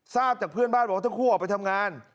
ทราบจากเพื่อนบ้านบอกว่าทั้งคู่ออกไปทำงาน